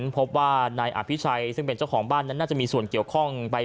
พบว่านายอภิชัยซึ่งเป็นเจ้าของบ้านนั้นน่าจะมีส่วนเกี่ยวข้องไป